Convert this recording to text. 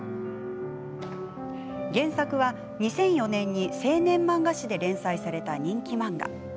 原作は、２００４年に青年漫画誌で連載された人気漫画。